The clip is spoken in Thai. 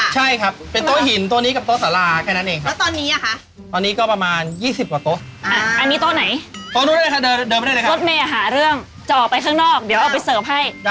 ใช่ครับเป็นโต๊ะหินโต๊ะนี้กับโต๊ะสาราแค่นั้นเองครับ